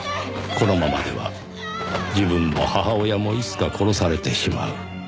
このままでは自分も母親もいつか殺されてしまう。